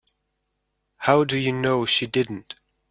How do you know she didn't?